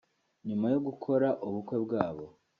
nyuma yo gukora ubukwe bwabo